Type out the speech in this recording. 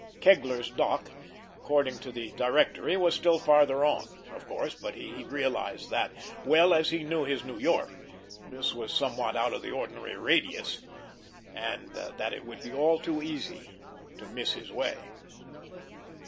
Kegler's dock, according to the directory, was still farther on, of course, but he realized that, well as he knew his New York, this was somewhat out of the ordinary radius, and that it would be all too easy to miss his way.